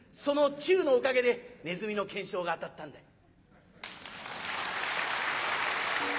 その忠のおかげでネズミの懸賞が当たったんだ」。